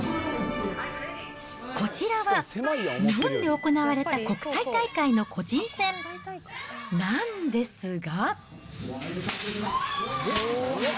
こちらは、日本で行われた国際大会の個人戦、なんですが。